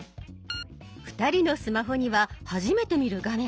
２人のスマホには初めて見る画面。